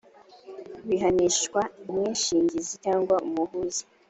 bihanishwa umwishingizi cyangwa umuhuza